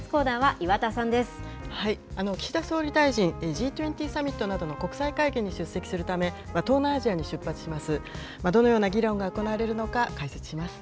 岸田総理大臣、Ｇ２０サミットなどの国際会議に出席するため、東南アジアに出発します。